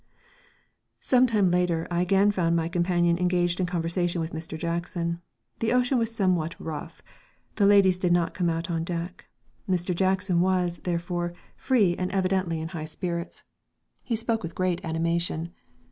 Sometime later, I again found my companion engaged in conversation with Mr. Jackson. The ocean was somewhat rough. The ladies did not come out on deck; Mr. Jackson was, therefore, free and evidently in high spirits. He spoke with great animation.